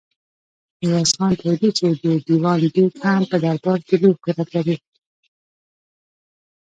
ميرويس خان پوهېده چې دېوان بېګ هم په دربار کې لوی قدرت لري.